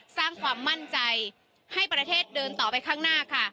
สร้างความมั่นใจให้ประเทศเดินต่อไปข้างหน้าค่ะ